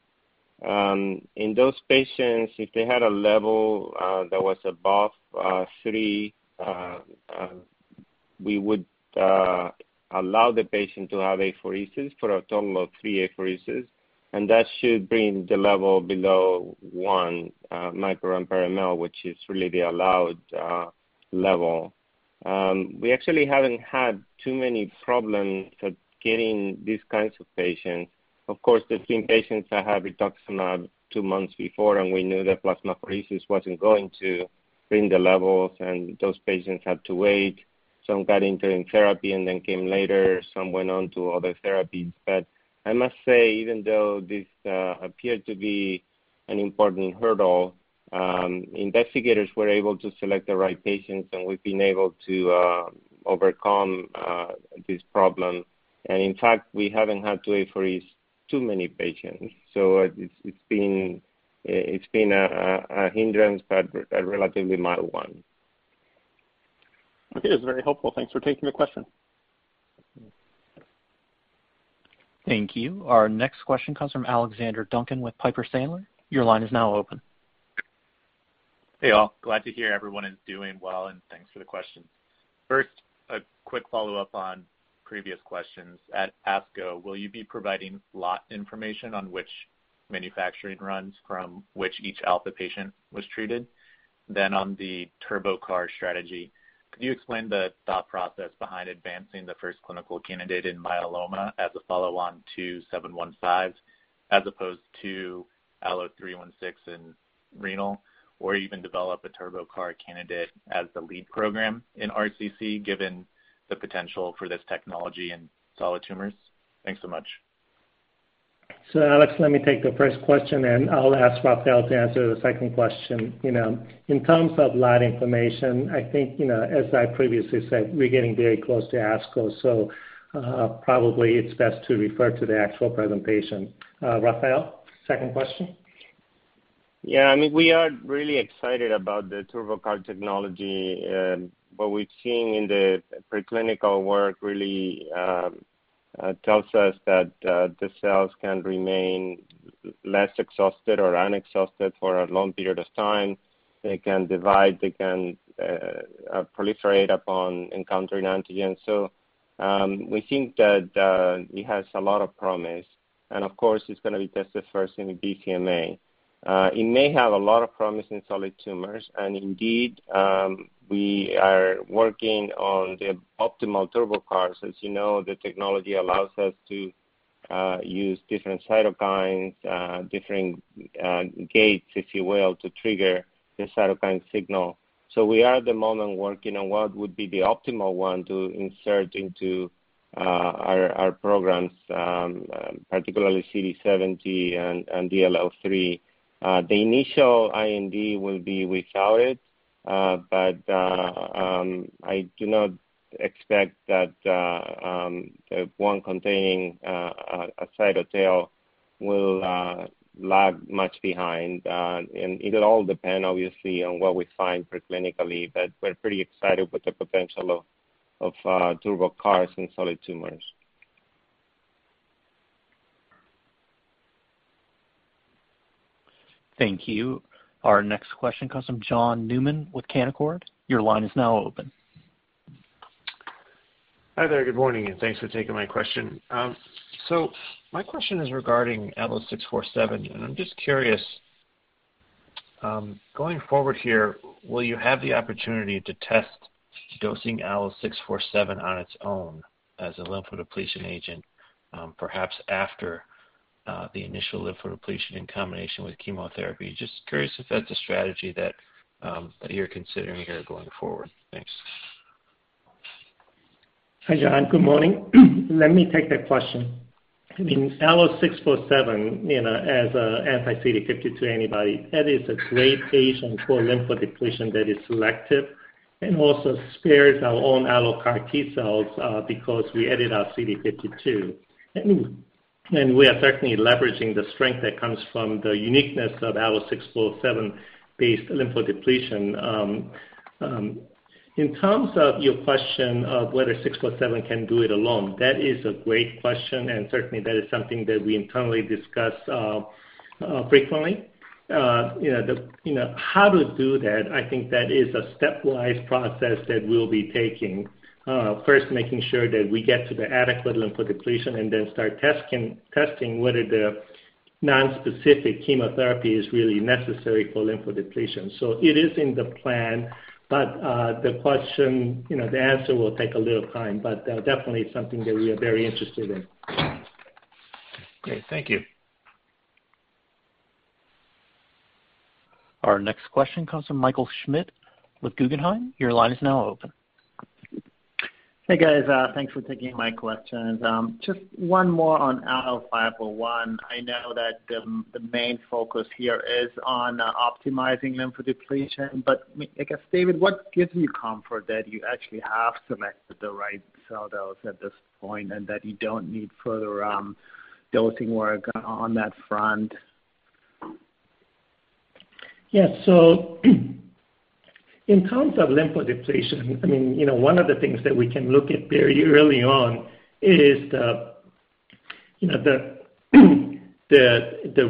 in those patients, if they had a level that was above three, we would allow the patient to have apheresis for a total of three aphereses. That should bring the level below one microgram per ml, which is really the allowed level. We actually have not had too many problems getting these kinds of patients. Of course, there have been patients that had rituximab two months before, and we knew that plasmapheresis was not going to bring the levels. Those patients had to wait. Some got into therapy and then came later. Some went on to other therapies. I must say, even though this appeared to be an important hurdle, investigators were able to select the right patients. We have been able to overcome this problem. In fact, we have not had to apherese too many patients. It has been a hindrance, but a relatively mild one. Okay. That's very helpful. Thanks for taking the question. Thank you. Our next question comes from Alexander Duncan with Piper Sandler. Your line is now open. Hey, all. Glad to hear everyone is doing well. Thanks for the question. First, a quick follow-up on previous questions. At ASCO, will you be providing lot information on which manufacturing runs from which each ALPHA patient was treated? On the TurboCAR strategy, could you explain the thought process behind advancing the first clinical candidate in myeloma as a follow-on to 715 as opposed to ALLO-316 in renal or even develop a TurboCAR candidate as the lead program in RCC given the potential for this technology in solid tumors? Thanks so much. Alex, let me take the first question. I'll ask Rafael to answer the second question. In terms of lot information, I think, as I previously said, we're getting very close to ASCO. Probably it's best to refer to the actual presentation. Rafael, second question? Yeah. I mean, we are really excited about the TurboCAR technology. What we've seen in the preclinical work really tells us that the cells can remain less exhausted or unexhausted for a long period of time. They can divide. They can proliferate upon encountering antigens. We think that it has a lot of promise. Of course, it's going to be tested first in BCMA. It may have a lot of promise in solid tumors. Indeed, we are working on the optimal TurboCARs. As you know, the technology allows us to use different cytokines, different gates, if you will, to trigger the cytokine signal. We are at the moment working on what would be the optimal one to insert into our programs, particularly CD70 and DLL 3. The initial IND will be without it. I do not expect that the one containing a cytotale will lag much behind. It will all depend, obviously, on what we find preclinically. We are pretty excited with the potential of TurboCARs in solid tumors. Thank you. Our next question comes from John Newman with Canaccord. Your line is now open. Hi there. Good morning. Thanks for taking my question. My question is regarding ALLO-647. I'm just curious, going forward here, will you have the opportunity to test dosing ALLO-647 on its own as a lymphodepletion agent, perhaps after the initial lymphodepletion in combination with chemotherapy? Just curious if that's a strategy that you're considering here going forward. Thanks. Hi, John. Good morning. Let me take that question. I mean, ALLO-647, as an anti-CD52 antibody, that is a great agent for lymphodepletion that is selective and also spares our own alloCAR T cells because we edit our CD52. We are certainly leveraging the strength that comes from the uniqueness of ALLO-647-based lymphodepletion. In terms of your question of whether 647 can do it alone, that is a great question. Certainly, that is something that we internally discuss frequently. How to do that, I think that is a stepwise process that we'll be taking. First, making sure that we get to the adequate lymphodepletion and then start testing whether the nonspecific chemotherapy is really necessary for lymphodepletion. It is in the plan. The answer will take a little time. Definitely, it's something that we are very interested in. Great. Thank you. Our next question comes from Michael Schmidt with Guggenheim. Your line is now open. Hey, guys. Thanks for taking my question. Just one more on ALLO-501A. I know that the main focus here is on optimizing lymphodepletion. I guess, David, what gives you comfort that you actually have selected the right cell dose at this point and that you do not need further dosing work on that front? Yes. In terms of lymphodepletion, I mean, one of the things that we can look at very early on is the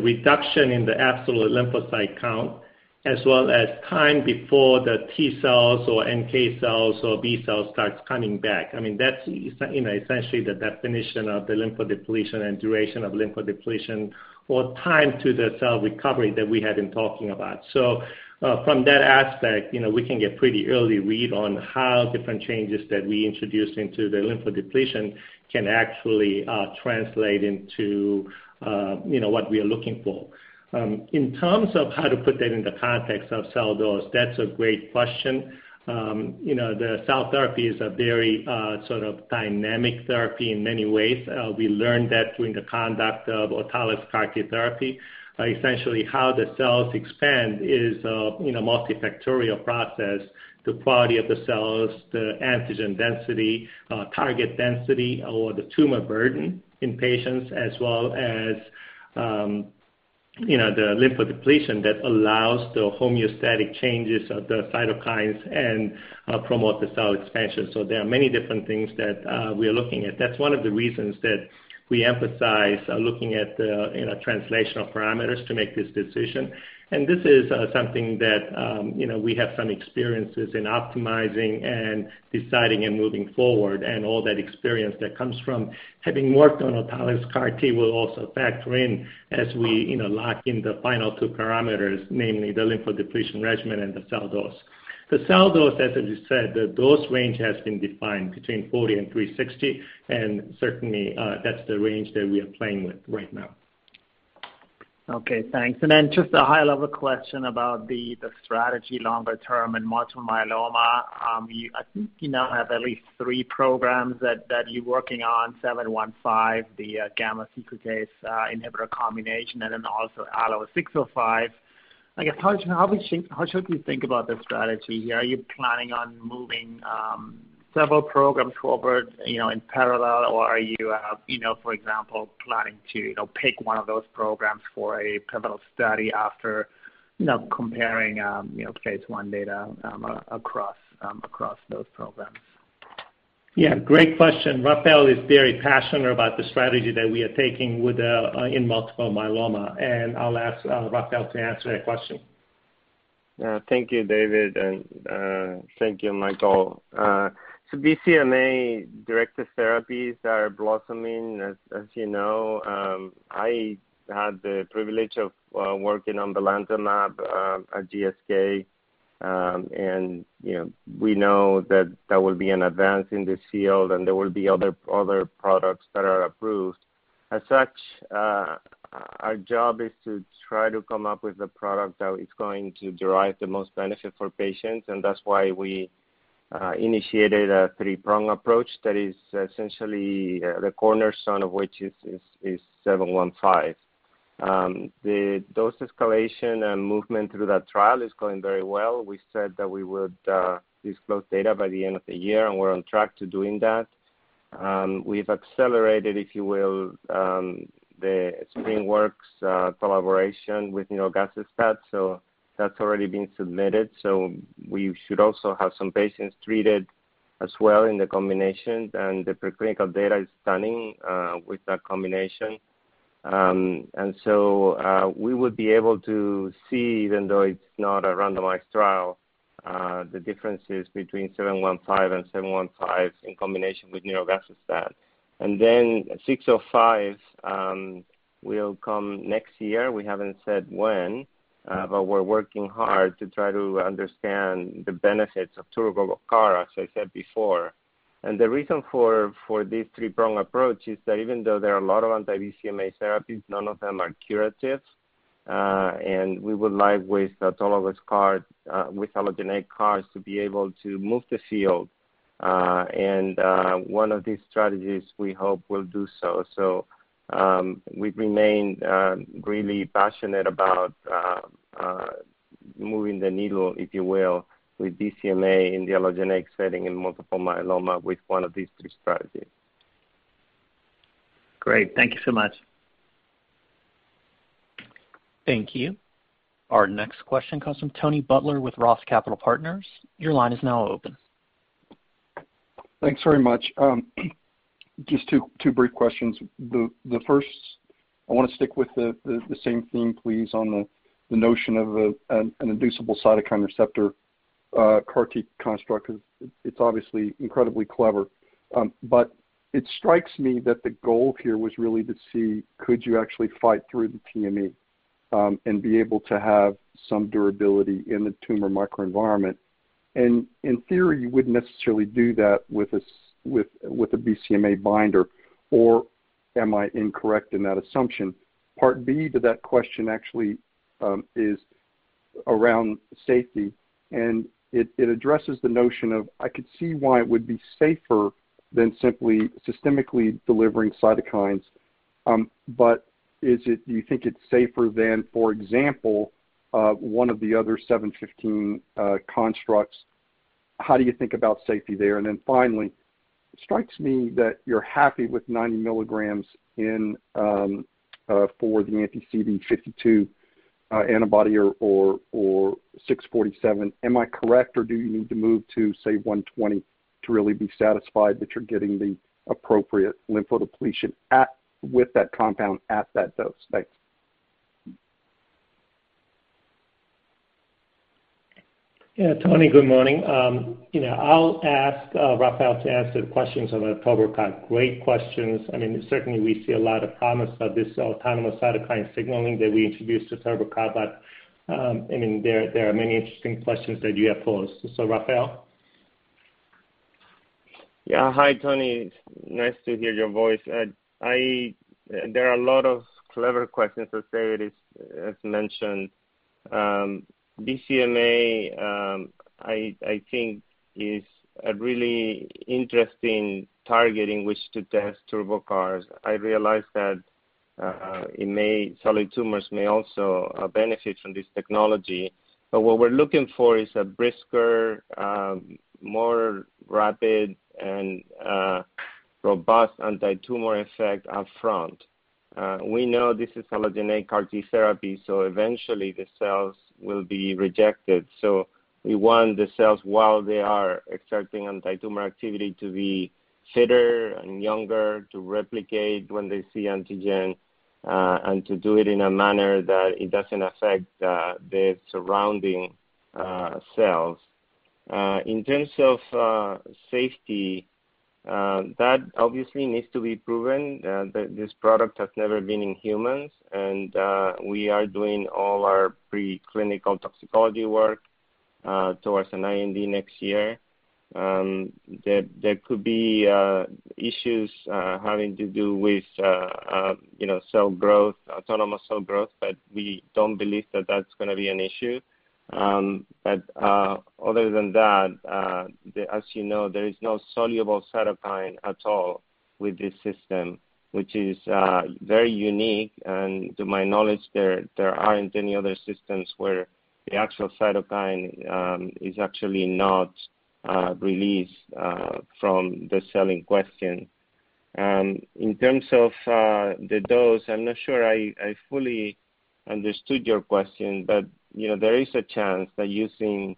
reduction in the absolute lymphocyte count as well as time before the T cells or NK cells or B-cells start coming back. I mean, that's essentially the definition of the lymphodepletion and duration of lymphodepletion or time to the cell recovery that we have been talking about. From that aspect, we can get a pretty early read on how different changes that we introduce into the lymphodepletion can actually translate into what we are looking for. In terms of how to put that into context of cell dose, that's a great question. The cell therapy is a very sort of dynamic therapy in many ways. We learned that through the conduct of autologous CAR T therapy. Essentially, how the cells expand is a multifactorial process: the quality of the cells, the antigen density, target density, or the tumor burden in patients, as well as the lymphodepletion that allows the homeostatic changes of the cytokines and promotes the cell expansion. There are many different things that we are looking at. That is one of the reasons that we emphasize looking at the translational parameters to make this decision. This is something that we have some experiences in optimizing and deciding and moving forward. All that experience that comes from having worked on autologous CAR T will also factor in as we lock in the final two parameters, namely the lymphodepletion regimen and the cell dose. The cell dose, as I just said, the dose range has been defined between 40 and 360. Certainly, that is the range that we are playing with right now. Okay. Thanks. And then just a high-level question about the strategy longer term in multiple myeloma. I think you now have at least three programs that you're working on: 715, the gamma secretase inhibitor combination, and then also ALLO-605. I guess, how should we think about the strategy here? Are you planning on moving several programs forward in parallel, or are you, for example, planning to pick one of those programs for a pivotal study after comparing phase I data across those programs? Yeah. Great question. Rafael is very passionate about the strategy that we are taking in multiple myeloma. I'll ask Rafael to answer that question. Thank you, David. Thank you, Michael. BCMA-directed therapies are blossoming, as you know. I had the privilege of working on belantamab at GSK. We know that there will be an advance in this field. There will be other products that are approved. As such, our job is to try to come up with a product that is going to derive the most benefit for patients. That is why we initiated a three-prong approach that is essentially the cornerstone of which is 715. The dose escalation and movement through that trial is going very well. We said that we would disclose data by the end of the year, and we're on track to doing that. We've accelerated, if you will, the Springworks collaboration with nirogacestat. That has already been submitted. We should also have some patients treated as well in the combination. The preclinical data is stunning with that combination. We would be able to see, even though it's not a randomized trial, the differences between 715 and 715 in combination with nirogacestat. 605 will come next year. We haven't said when. We are working hard to try to understand the benefits of TurboCAR, as I said before. The reason for this three-prong approach is that even though there are a lot of anti-BCMA therapies, none of them are curative. We would like with autologous CARs, with allogeneic CARs, to be able to move the field. One of these strategies, we hope, will do so. We remain really passionate about moving the needle, if you will, with BCMA in the allogeneic setting in multiple myeloma with one of these three strategies. Great. Thank you so much. Thank you. Our next question comes from Tony Butler with ROTH Capital Partners. Your line is now open. Thanks very much. Just two brief questions. The first, I want to stick with the same theme, please, on the notion of an inducible cytokine receptor CAR T construct. It's obviously incredibly clever. It strikes me that the goal here was really to see, could you actually fight through the TME and be able to have some durability in the tumor microenvironment? In theory, you wouldn't necessarily do that with a BCMA binder. Or am I incorrect in that assumption? Part B to that question actually is around safety. It addresses the notion of, I could see why it would be safer than simply systemically delivering cytokines. Do you think it's safer than, for example, one of the other 715 constructs? How do you think about safety there? Finally, it strikes me that you're happy with 90 mg for the anti-CD52 antibody or 647. Am I correct? Or do you need to move to, say, 120 to really be satisfied that you're getting the appropriate lymphodepletion with that compound at that dose? Thanks. Yeah. Tony, good morning. I'll ask Rafael to answer the questions on the TurboCAR. Great questions. I mean, certainly, we see a lot of promise of this autonomous cytokine signaling that we introduced to TurboCAR. I mean, there are many interesting questions that you have posed. Rafael? Yeah. Hi, Tony. Nice to hear your voice. There are a lot of clever questions, as David has mentioned. BCMA, I think, is a really interesting target in which to test TurboCARs. I realize that solid tumors may also benefit from this technology. What we are looking for is a brisker, more rapid, and robust anti-tumor effect upfront. We know this is allogeneic CAR T therapy. Eventually, the cells will be rejected. We want the cells, while they are exerting anti-tumor activity, to be fitter and younger, to replicate when they see antigen, and to do it in a manner that does not affect the surrounding cells. In terms of safety, that obviously needs to be proven. This product has never been in humans. We are doing all our preclinical toxicology work towards an IND next year. There could be issues having to do with autonomous cell growth. We do not believe that that is going to be an issue. Other than that, as you know, there is no soluble cytokine at all with this system, which is very unique. To my knowledge, there are not any other systems where the actual cytokine is actually not released from the cell in question. In terms of the dose, I am not sure I fully understood your question. There is a chance that using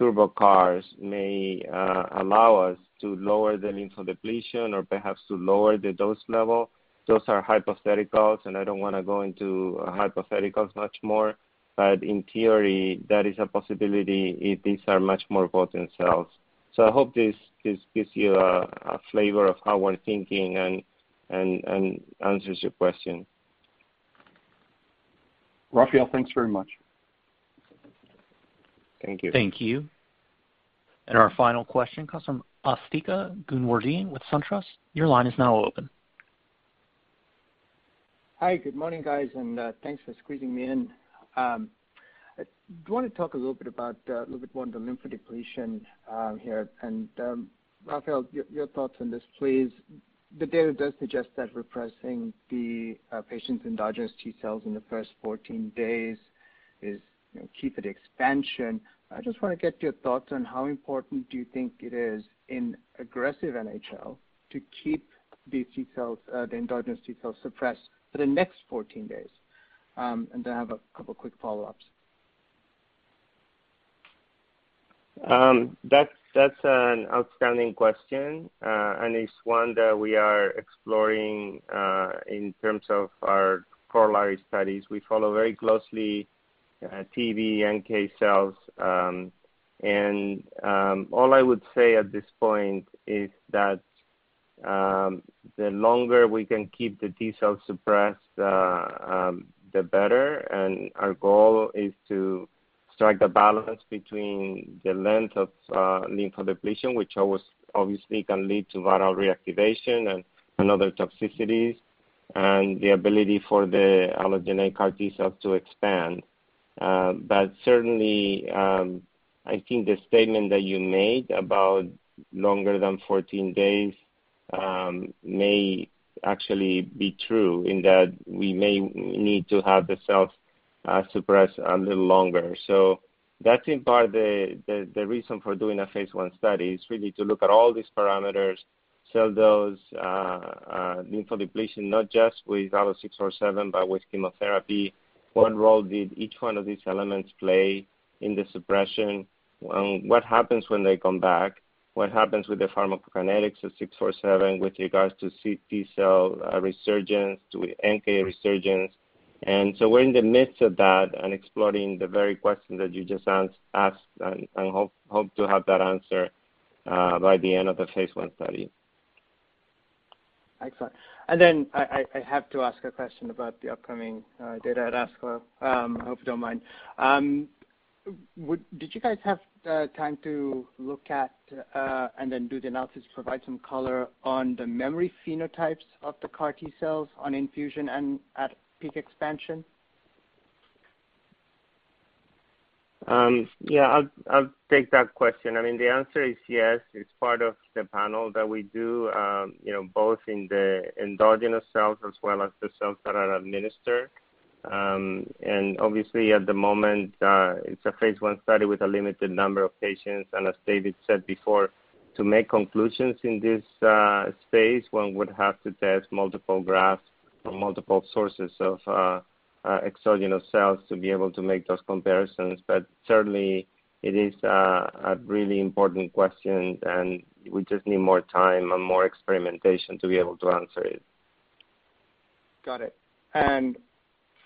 TurboCARs may allow us to lower the lymphodepletion or perhaps to lower the dose level. Those are hypotheticals. I do not want to go into hypotheticals much more. In theory, that is a possibility if these are much more potent cells. I hope this gives you a flavor of how we are thinking and answers your question. Rafael, thanks very much. Thank you. Thank you. And our final question comes from Asthika Goonewardene with SunTrust. Your line is now open. Hi. Good morning, guys. Thanks for squeezing me in. I want to talk a little bit more on the lymphodepletion here. Rafael, your thoughts on this, please. The data does suggest that repressing the patient's endogenous T cells in the first 14 days is key for the expansion. I just want to get your thoughts on how important do you think it is in aggressive NHL to keep the endogenous T cells suppressed for the next 14 days? I have a couple of quick follow-ups. That's an outstanding question. It is one that we are exploring in terms of our corollary studies. We follow very closely TV, NK cells. All I would say at this point is that the longer we can keep the T cells suppressed, the better. Our goal is to strike a balance between the length of lymphodepletion, which obviously can lead to viral reactivation and other toxicities, and the ability for the allogeneic CAR T cells to expand. Certainly, I think the statement that you made about longer than 14 days may actually be true in that we may need to have the cells suppressed a little longer. That is in part the reason for doing a phase I study, to really look at all these parameters: cell dose, lymphodepletion, not just with ALLO-647, but with chemotherapy. What role did each one of these elements play in the suppression? What happens when they come back? What happens with the pharmacokinetics of 647 with regards to T cell resurgence, to NK resurgence? We are in the midst of that and exploring the very question that you just asked and hope to have that answer by the end of the phase I study. Excellent. I have to ask a question about the upcoming data at ASCO. I hope you do not mind. Did you guys have time to look at and then do the analysis, provide some color on the memory phenotypes of the CAR T cells on infusion and at peak expansion? Yeah. I'll take that question. I mean, the answer is yes. It's part of the panel that we do, both in the endogenous cells as well as the cells that are administered. Obviously, at the moment, it's a phase I study with a limited number of patients. As David said before, to make conclusions in this space, one would have to test multiple grafts from multiple sources of exogenous cells to be able to make those comparisons. Certainly, it is a really important question. We just need more time and more experimentation to be able to answer it. Got it.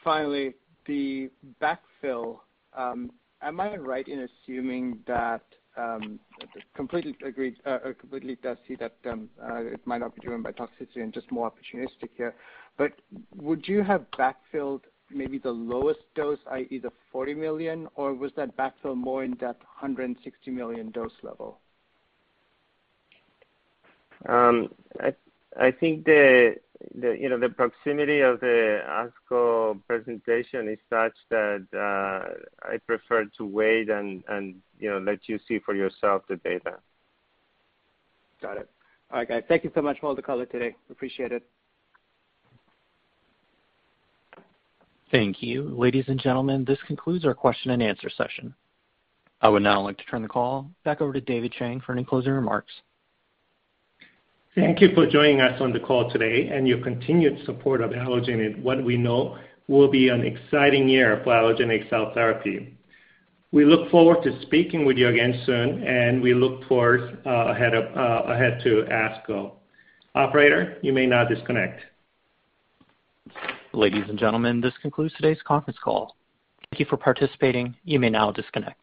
Finally, the backfill. Am I right in assuming that completely agreed or completely does see that it might not be driven by toxicity and just more opportunistic here? Would you have backfilled maybe the lowest dose, i.e., the 40 million? Or was that backfill more in that 160 million dose level? I think the proximity of the ASCO presentation is such that I prefer to wait and let you see for yourself the data. Got it. All right, guys. Thank you so much for all the color today. Appreciate it. Thank you. Ladies and gentlemen, this concludes our question-and-answer session. I would now like to turn the call back over to David Chang for any closing remarks. Thank you for joining us on the call today and your continued support of Allogene. What we know will be an exciting year for allogeneic cell therapy. We look forward to speaking with you again soon. We look forward ahead to ASCO. Operator, you may now disconnect. Ladies and gentlemen, this concludes today's conference call. Thank you for participating. You may now disconnect.